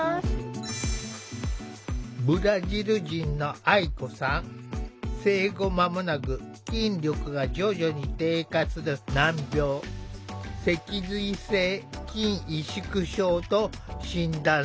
ブラジル人の生後間もなく筋力が徐々に低下する難病脊髄性筋萎縮症と診断された。